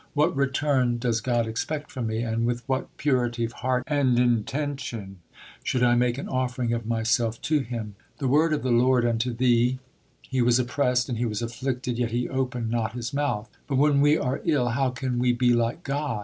What return does God expect from me with what purity of heart and intention should I make an offering of myself to Him! The word of the Lord unto thee: He was oppressed and he was afflicted, yet he opened not his mouth.... But, when we are ill, how can we be like God?